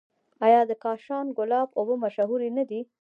آیا د کاشان ګلاب اوبه مشهورې نه دي؟